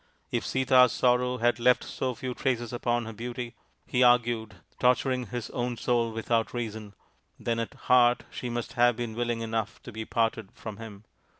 If Sita's sorrow had left so few traces upon her beauty, he argued, torturing his own soul without reason, then at heart she must have been willing enough to be parted from him